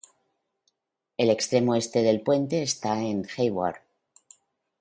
El extremo este del puente está en Hayward.